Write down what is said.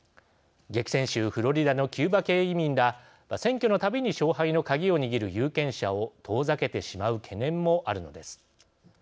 激戦州フロリダのキューバ系移民ら選挙のたびに勝敗の鍵を握る有権者を遠ざけてしまう懸念もあるのです。